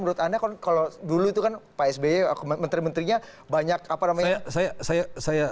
menurut anda kan kalau dulu itu kan pak sby menteri menterinya banyak apa namanya